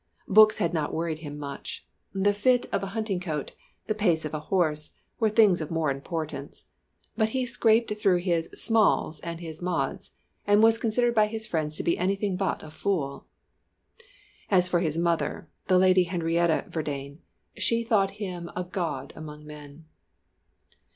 Books had not worried him much! The fit of a hunting coat, the pace of a horse, were things of more importance, but he scraped through his "Smalls" and his "Mods," and was considered by his friends to be anything but a fool. As for his mother the Lady Henrietta Verdayne she thought him a god among men!